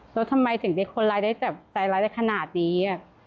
แล้วทำไมสิ่งที่คนรักได้แบบใจรักได้ขนาดนี้